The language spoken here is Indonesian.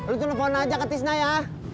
lo telfon aja ke tisna ya